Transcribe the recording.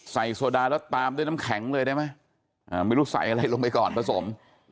โซดาแล้วตามด้วยน้ำแข็งเลยได้ไหมไม่รู้ใส่อะไรลงไปก่อนผสม